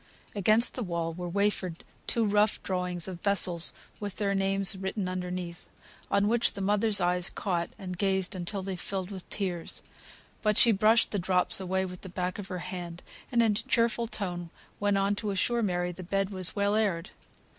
Against the wall were wafered two rough drawings of vessels with their names written underneath, on which the mother's eyes caught, and gazed until they filled with tears. But she brushed the drops away with the back of her hand, and in a cheerful tone went on to assure Mary the bed was well aired.